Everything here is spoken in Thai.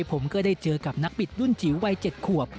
ผมก็ได้เจอกับนักบิดรุ่นจิ๋ววัย๗ขวบ